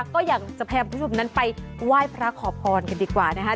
ก็อยากจะพาคุณผู้ชมนั้นไปไหว้พระขอพรกันดีกว่านะคะ